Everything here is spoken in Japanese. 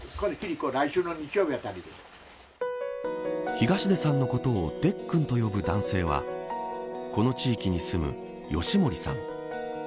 東出さんのことをでっくんと呼ぶ男性はこの地域に住む義守さん。